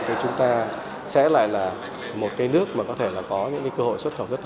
thì chúng ta sẽ lại là một cái nước mà có thể là có những cái cơ hội xuất khẩu rất tốt